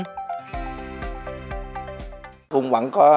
cũng vẫn có một số doanh nghiệp là chủ doanh nghiệp